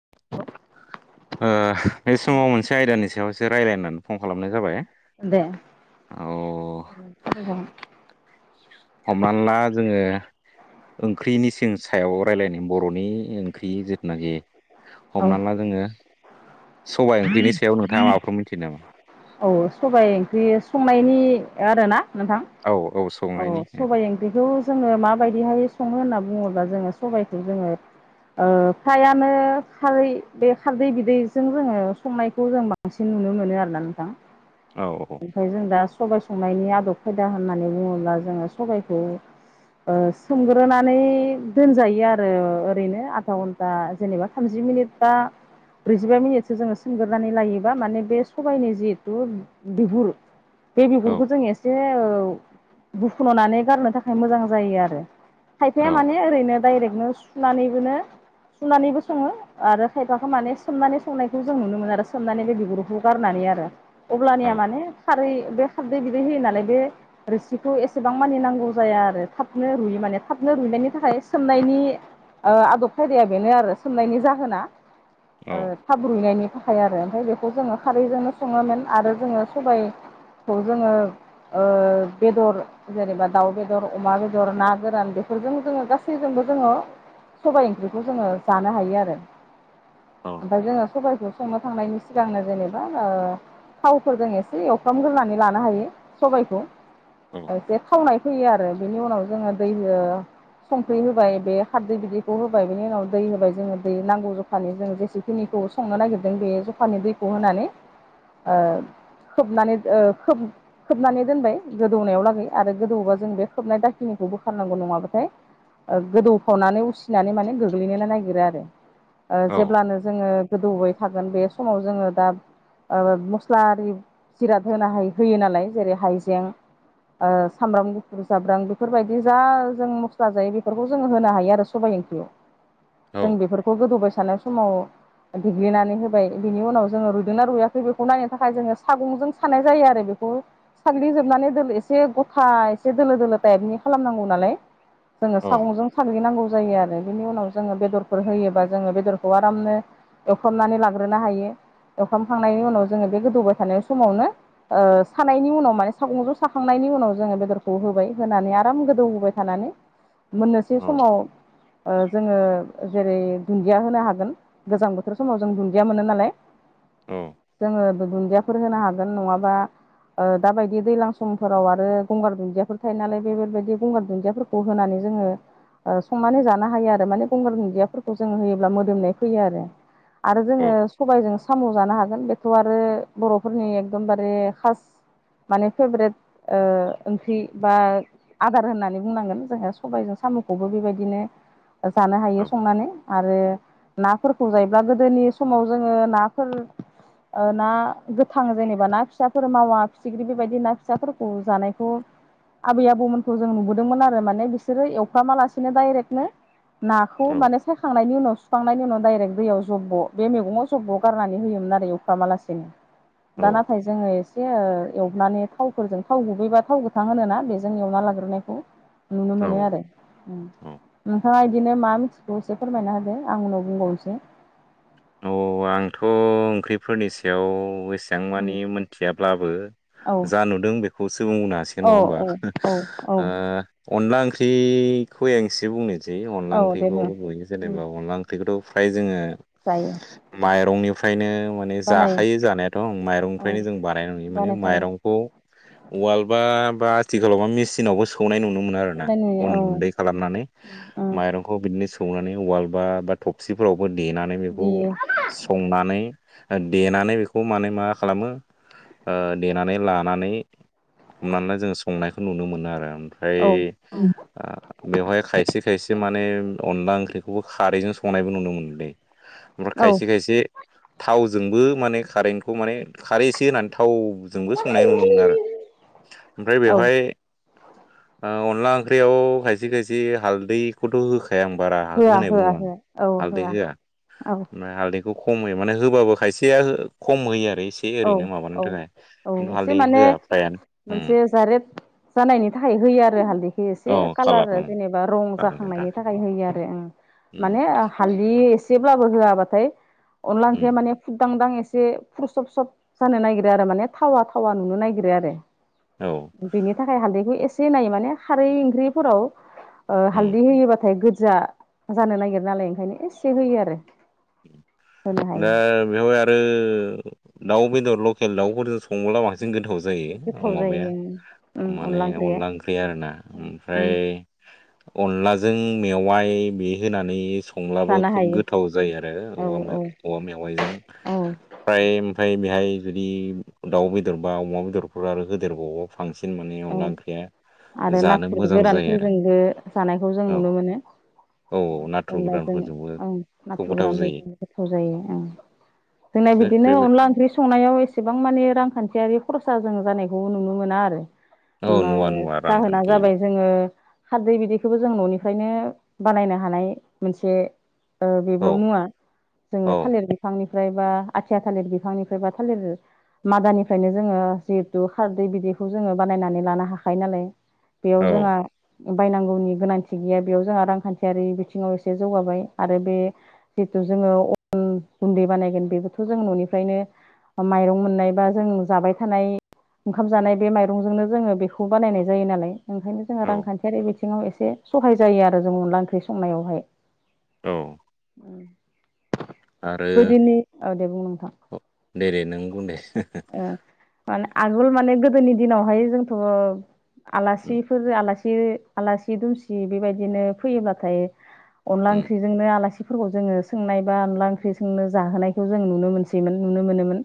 [unintelligible] ओ बे समाव मोनसे आयदानि सायावसो रायज्लायनो होननानै फन खालामनाय जाबाय दे औ [unintelligible] हमनानै ला जोङो ओंख्रिनि जों सायाव रायलायनाय बर'नि ओंख्रि जिथुनाखि औ हमना ला जोङो सबाय ओंख्रिनि सायाव नोंथाङा माबाफोर मिनथियो नामा? औ सबाय ओंख्रि संनायनि आरोना नोंथां? औ औ स औ सबाय ओंख्रिखौ जोङो माबायदिहाय सङो होनना बुङोब्ला जोङो सबायखौ जोङो ओ फ्रायानो खारै बे खारदै बिदैजों जोङो संनायखौ जों बां बांसिन नुनो मोनो आरोना नोंथां। औ ओमफाय जों दा सबाय संनायनि आदब खायदा होननानै बुङोब्ला जोङो सबायखौ ओ सोमग्रोनानै दोनजायो आरो ओरैनो आधा था जेनेबा थामजि मिनिट बा ब्रैजिबा मिनिटसो जोङो सोमग्रोनानै लायोबा माने बे सबायनि जिहेथु बिगुर बे औ बिगुरखौ जों एसे बुखुनुनानै गारनो थाखाय मोजां जायो आरो खायफाया औ माने ओरैनो डाइरेक्टनो सुनानैबोनो सुनानैबो सङो आरो खायफाखौ माने सोमनानै संनायखौ जों नुनो मोनो आरो सोमनानै बे बिगुरखौ गारनानै आरो। औ अब्लानिया माने खारै बे खारदै बिदै होयो नालाय बे रोसिखौ एसेबां मानि नांगौ जाया आरो थाबनो रुइयो माने थाबनो रुइनायनि थाखाय सोमनायनि ओ आदब खायदाया बेनो आरो सोंनायनि जाहोना ओ औ थाब रुइनायनि थाखाय आरो ओमफ्राय बेखौ जोङो खारैजोंनो सङोमोन। आरो जोङो सबायखौ जोङो ओ बेदर जेनेबा दाउ बेदर, अमा बेदर, ना गोरान बेफोरजों जोङो गासैजोंबो जोङो सबाय ओंख्रिखौ जोङो जानो हायो आरो। औ। ओमफाय जोङो सबायखौ संनो थांनायनि सिगांनो जेनेबा ओ थावफोरजों एसे एवफ्रामग्रोनानै लानो हायो सबायखौ औ एसे थावनाय फैयो आरो बिनि उनाव जोङो दै ओ संख्रि होबाय बे खारदै बिदैखौ होबाय बिनि उनाव दै होबाय जोङो दै नांगौ जख खानि जों जेसेखिनिखौ संनो नागिरदों बे जखानि दैखौ होनानै ओ खोबनानै ओ खोब खोबनानै दोनबाय गोदौनायाव लागै आरो गोदौबा जों बे खोबनाय दाखिनिखौ बोखारनांगौ नङाबाथाय ओ गोदौफावनानै उसिनानै माने गोग्लैनोनो नागिरो आरो। ओ जेब्लानो जोङो गोदौबाय थागोन बे समाव जोङो दा ओ मस्ला आरि जिराद होनो हायो होयोनालाय जेरै हाइजें ओ सामब्राम गुफुर जाब्रां बेफोरबायदि जा जों मस्ला जायो बेफोरखौ जोंङो होनो हायो आरो सबाय ओंख्रियाव। [inaudible] जों बेफोरखौ गोदौबाय सानाय समाव देग्लिनानै होबाय बिनि उनाव जोङो रुइदोंना रुया जे बेखौ नायनो थाखाय जोङो सागंजों सानाय जायो आरो बेखौ साग्लिजोबनानै दोल एसे गथा एसे दोलो दोलो टाइबनि खालामनांगौ नालाय जोङो सागंजों साग्लिनांगौ जायो आरो बिनि उनाव जोङो बेदरफोर होयोबा जोङो बेदरखौ आरामनो एवफ्रामनानै लाग्रोनो हायो एवफ्रामखांनायनि उनाव जोङो बे गोदौबाय थानाय समावनो सानायनि उनाव माने सागं ज' साखांनायनि उनाव जोङो बेदरखौ होबाय होनानै आराम गोदौ होबाय थानानै मोननोसै समाव जोङो जेरै दुन्दिया होनो हागोन गोजां बोथोर समाव जों दुन्दिया मोनो नालाय। औ जोङो दु-दुन्दियाफोर होनो हागोन नङाबा ओ दाबायदि दैलां समफोराव आरो गंगार दुन्दियाफोर थायो नालाय बेफोरबायदि गंगार दुन्दियाफोरखौ खौ होनानै जोङो ओ संनानै जानो हायो आरो माने गंगार दुनदियाफोरखौ जों होयोब्ला मोदोमनाय फैयो आरो। आरो औ जोङो सबायजों साम' जानो हागोन बेथ' आरो बर'फोरनि एकदमबारे खास माने फेभारेट ओंख्रि बा आदार होननानै बुंनांगोन जोंहा सबायजों साम'खौबो बेबायदिनो जानो हायो संनानै आरो नाफोरखौ जायोब्ला गोदोनि समाव जोङो नाफोर ना गोथां जेनेबा ना फिसाफोर मावा फिथिख्रि बेबायदि ना फिसाफोरखौ जानायखौ आबै आबौमोनखौ जों नुबोदोंमोन आरो माने बिसोरो एवफ्रामालासिनो डाइरेक्टनो नाखौ माने सायखांनायनि उनाव सुखांनायनि उनाव डाइरेक्ट दैयाव जब्ब' बे मैगङाव जब्ब' गारनानै होयो आरो मालानो दा औ नाथाय जोङो एसे एवनानै थावफोरजों थाव गुबैबा थाव गोथां होनो ना बेजों एवना लाग्रोनायखौ नुनो मोनो आरो औ नोंथाङा बिदिनो मा मिथि द एसे फोरमायना होदो आं उनाव बुंबावनोसै औ आंथ' ओंख्रिफोरनि सायाव एसे बिथां उम मानिे मोनथियाब्लाबो औ जा नुदों बेखौसो बुं बुंनो हासै औ नङा होमबा औ औ औ आ अनला ओंख्रिखौ आं एसे बुंनोसै औ अनला दे ओंख्रिखौ बुं नुयो उम जेनेबा अनला ओंख्रि बेखौथ' फ्राय जोङो जायो माइरंनिफ्रायनो माने बानायो जाखायो जानायाथ' औ माइरंनिफ्रायनो जों बानायनाय नुयो माने बानायखायो माइरंखौ वालबा बा आथिखालावबा मेसिनावबो स सौनाय नुनो मोनो आरोना सौनाय नुयो अन औ गुन्दै खालामनानै ओ माइरं बेखौ बिदिनो सौनानै उवालबा बा थबसिफोरावबो देनानै बेखौ देयो संनानै देनानै बेखौ माने मा खालामो देनानै लानानै हमनानै जों संनायखौ नुनो मोनो आरो ओमफ्राय औ [unintelligible] बेवहाय खायसे खायसे माने अनला ओंख्रिखौबो खारैजों संनायबो नुनो मोनलै ओमफ्राय औ खायसे खायसे थावजोंबो माने खारैखौ माने खारै इसे होनानै थाव जोंबो संनाय नुनो मोनो आरो ओमफ्राय औ बेवहाय अनला ओंख्रियाव खायसे खायसे हालदैखौथ' होखा आ आं बारा होआ होनायबो होआ नङा आं होआ औ हालदै होआ औ ओमफ्राय हालदैखौ खम होयो माने होबाबो खायसेया खम होयो आरो एसे औ ओरैनो माबानो औ थाखाय औ खिन्थु एसे हालदै माने होआ फ्रायानो उम मोनसे जारेद जानायनि थाखाय होयो आरो हालदि एसे औ कालार उम जेनेबा रं जागोन नोंथां जाखांनायनि थाखाय होयो आरो आ उम माने हालदि एसेब्लाबो होआबाथाय अनदला उम ओंख्रिया माने फुरदांदां एसे फुरसब सब जानो नागिरो आरो माने थावा थावा नुनो नागिरो आरो औ बिनि थाखाय हालदैखौ एसे नायै माने खारै ओंख्रिफोराव ओ उम हालददै होयोबाथाय गोजा जानो नागिर नालाय ओंखायनो एसे होयो आरो होनो नो हायो बेवहाय आरो दाउ बेदर लकेल दाउफोरजों सङोबला बांसिन गोथाव ज जायो गोथाव माबाया जायो उम माने ओंख्रिया अनला ओंख्रि आरोना उम ओमफ्राय अनलाजों मेवाइ बे होनानै संब्लाबो जानो खोब हायो गोथाव जायो जायो आरो औ औवा मेवाइजों औ फ्राय ओमफ्राय बेहाय जुदि दाउ बेदर बा अमा बेदरफोर आरो होदेरबावो बांसिन माने औ अनला ओंख्रिया आरो जानो नाथुर मोजां जायो आरो गोरानफोरजोंबो जानायखौ जों औ नुनो मोनो औ नाथुर अनलाजों गोरानफोरजोंबो आं खोब गोथाव नाथुरग्रानो जायो ज गोथाव जायो ओं जोंना थिग बे बिदिनो अनला ओंख्रि स संनायाव एसेबां माने रांखान्थियारि खरसा जों जानायखौ नुनो मोना आरो औ म नुवा नुवा जाहोना रांखान्थि जाबाय जोङो खारदै बिदैखौबो जों न'निफ्रायनो बानायनो हानाय मोनसे ओ बेबो औ मुवा जोङो औ थालिर बि फांनिफ्राय बा आथिया थालिर बिफांनिफ्राय बा थालिर मादानिफ्रायनो जोङो जिहेथु खारदै बिदैखौ जोङो बानायनानै लानो हाखायो नालाय बेयाव जोंहा औ बायनांगौनि गोनांथि गैया बेयाव जोंहा रांखान्थियारि बिथिङाव एसे जौगाबाय आरो बे जितु जोङो अन गुन्दै बानायगोन बेबोथ' जों न'निफ्रायनो माइरं मोननाय बा जों जाबाय थानाय ओंखाम जानाय बे माइ जोंनो जोङो बेखौ बानायनाय जायो नाल ओंखायनो ज रांखान्थि फाइखारि बिथिङाव एसे सहाय जायो आरो जों अनला ओंख्रि संनायावहाय औ आरो गोदोनि औ दे बुं नोंथां दे दे नों बुं दे हो हो ओ माने आगोल माने गोदोनि दिनावहाय जोंथ' आलासिफोर आला सि आलासि दुमसि बेबायदिनो फैयोब्लाथाय अनला उम ओंजोंनो आलासि फोरखौ जोङो सोंनाय बा अनला ओंख्रि संनो जाहोनायखौ जों नुनो मोनसैमोन नुनो मोनोमोन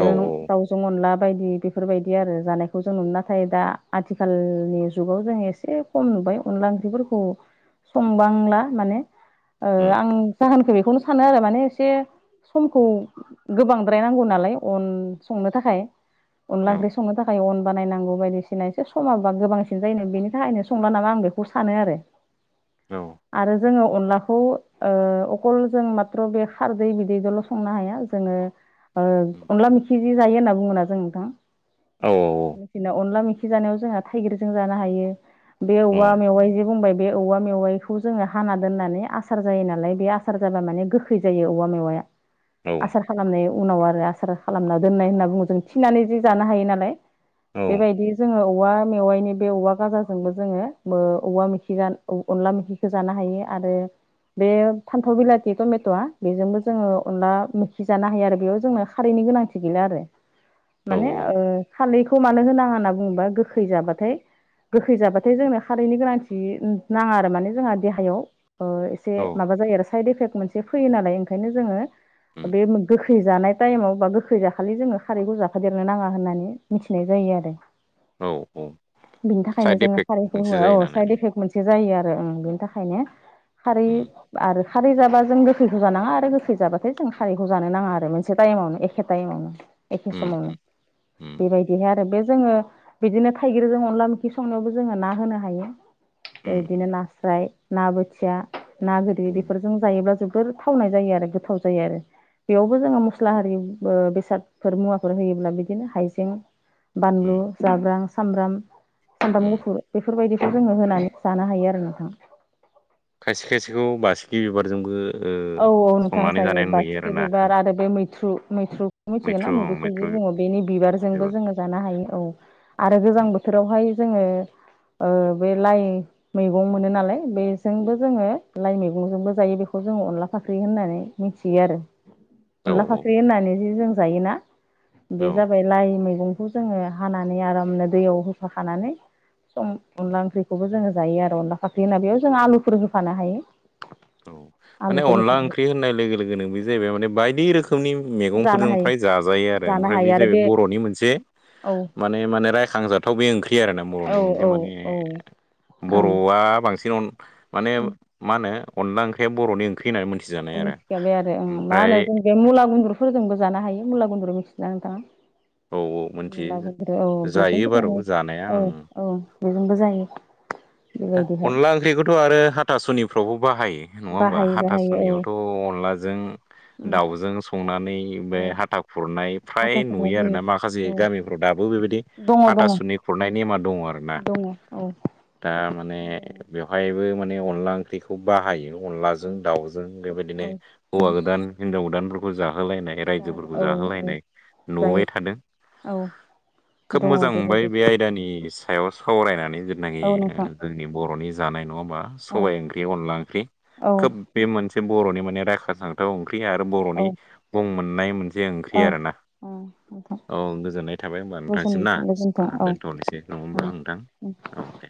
औ दाउजों अनला बायदि बेफोरबायदि आरो जानायखौ जों नुनो नाथाय दा आथिखालनि जुगाव जों एसे खम नुबाय अनला ओंख्रिफोरखौ संबांला माने उम आं जाहोनखौ बेखौनो सानो आरो माने एसे समखौ गोबांद्राय नांगौ नालाय अन संनो थाखाय अनला औ ओंख्रि संनो थाखा य अन बानायनांगौ बायदिसिना एसे समाबा गोबांसिन जायोन बेनि थाखायनो संला नामा आं बेखौ सानो आरो औ आरो जोङो अनलाखौ ओ अखल जों माथ्र' बे खारदै बिदैदल' संनो हाया जोङो ओ उम अनला मिखिज जायो होनना बुङोना जों नोंथां औ मसिना अनला मैखि जानायाव जोंहा थाइगिरजों जानो हायो बे औ औवा मेवाइ जे बुंबाय बे औवा मेवाइखौ जोङो हाना दोननानै आसार जायो नालाय बे आसार जाबा माने गोखै जायो औवा मेवाया [inaudible] आसार खालामनाय उनाव आरो आसार खालामना दोननाय होनना बुङो जों थिनानै जि जानो हायो नालाय बेबायदि जोङो औवा मेवाइनि बे औवा गाजोंबो जोङो बो औवा मेखि अनला मेखि हो जानो हायो आरो बे फान्थाव बिलाथि टमेट'आ बेजोंबो जोङो अनला मैखि जानो हायो आरो बेयाव जोंनो खारैनि गोनांथि थि गैला आरो [inaudible] माने ओ खालैखौ मानो होनाङा होनना बुङोबा गोखै जाबाथाय गोखै जाबाथाय जोंनो खारैनि गोनांथि नाङा आरो माने जोंहा देहायाव ओ ए से औ माबा जायो आरो साइद इफेक्ट मोनसे फैयो नालाय ओंखायनो जोङो उम बे गो गोखै जानाय टाइमाव बा गोखै जाखालि जोङो खारैखौजाखादेरनो नाङा होननानै मिथिनाय जायो आरो औ औ बिनि थाखायनो साइड जोङो इफेक्ट खारैखौ मोनसे होआ जायो औ साइद नालाय इफेक्ट मोनसे जायो आरो बेनि थाखायनो खारै उम आरो खारै जाबा जों गोखैखौ जानाङा आरो गोखै जाबाथाय जों खारैखौ जानो नाङा आरो मोनसे टाइमावनो एखे टाइमावनो। एखे उम समावनो उम उम बेबायदिहाय आरो बे जोङो बिदिनो थाइगिरजों अनला ओंखि संनायावबो जोङो ना होनो हायो उम बिदिनो नास्राय ना बोथिया ना गोरदै उम बेफोर जों जायोब्ला जोबोर थावनाय जायो आरो गोथाव जायो आरो बेयावबो जोङो मस्ला आरारि ओ बेसादफोर मुवाफोर होयोब्ला बिदिनो हाइज बानलु उम जाब्रां सामब्राम सब्रामबाम उम गुफुर बेफोरबायदिखौ जोङो होनानै जानो हायो आरो नोंथां। खायसे खायसेखौ बासिखि बिबारजोंबो ओ औ औ नोंथां संनानै जायो जानाय नुयो बासिखि आरोना बिबार आरो बे मैथ्रु मैथ्रु मिथिगोन ना मैथ्रु मुदुफुल जे मैथ्रु बुङो बेनि बिबारजोंबो बिबार जोङो जानो हायो औ आरो गोजां बोथोरावहाय जोङो ओ बे लाइ मैगं मोनो नालाय बेजोंबो जोङो लाइ मैगंजोंबो जायो बेखौ जोङो अनला फाख्रि होननानै मिथियो आरो औ अनला फाख्रि होननानै जे जों जायोना बे औ जाबाय लाइ मैगंखौ जोङो हानानै आरामनो दैयाव होफाखानानै अनला ओंख्रिखौबो जोङो जायो आरो अनला फाख्रि होनना बेयाव जों आलुफोर होफानो हायो। औ माने आलुफोर अनला होफानानै ओंख्रि होननाय लोगो लोगोनो बे जाहैबाय माने बायदि रोखो खोमनि जानो मैगंफोरजों हायो फ्राय जाजायो आरो जानो ओमफ्राय बे हायो आरो जाहैबाय बर'नि मोनसे औ माने माने रायखांजाथाव बे ओं ख्रि आरो ना औ बर'नि मोनसेे औ माने औ ओं बर'आ बांसिन माने मा होनो अनला ओंख्रिया बर'नि ओंख्रि होननानै मोनथिजानाय आरो मिथिखाबाय आरो ओं मा होनो ओमफ्राय जों बे मुला गुन्द्रुफोरजोंबो जानो हायो मुला गुन्द्रु मिथिना नोंथाङा? औ मोनथियो मुला गुन्द्रु औ बेजों जायो जों बारु जानाया औ ओं औ बेजोंबो जायो। दा बेबायदिहाय अनला ओंख्रिखौथ' आरो हाथासुनिफ्रावबो बाहायो। नङा होमबा बाहायो बाहायो औ हाथास'नियावथ' अनलाजों उम दाउजों संनानै बे औ हाथा खुरनाय फ्राय हाथा खुरनाय नुयो जायो आरोना माखासे औ गामिफ्राव दाबो बेबायदि दङ दङ हाथासुनि खुरनाय नेमा दङ आरो ना। दङ औ दा माने दङ बेवहायबो माने अनला ओंख्रिखौ बाहायो। औ अनलाजों दाउजों बेबायदिनो औ हौवा गोदान हिनजाव गोदानफोरखौ जाहोलायनाय रायजोफोरखौ औ औ जाहोलायनाय नुबाय जायो थादों औ खोब दङ मोजां मोनबाय बेबायदि बे आय दानि सायाव सावरायनानै जेनाखि औ नोंथां जोंनि बर'नि जानाय नङा होमबा औ सबायाइ ओंख्रि अनला ओंख्रि औ खोब बे मोनसे बर'नि माने रायाखां जाथाव ओंख्रि आरो औ बर'नि बुं मोननाय मोनसे ओं ख्रि औ आरो ना। नोंथां औ गोजोननाय थाबाय होनोमबा गोजोन नोंथांसिम ना गोजोनथों औ दोन्थ'नोसै नङा होमबा औ आं नोंथां औ दे [inaudible]